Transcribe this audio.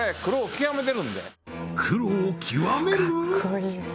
黒を極める？